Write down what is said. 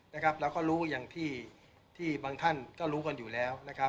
เราก็รู้อย่างที่บางท่านก็รู้กันอยู่แล้วนะครับ